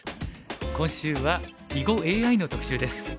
今週は囲碁ＡＩの特集です。